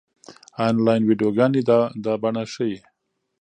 انلاين ويډيوګانې دا بڼه ښيي.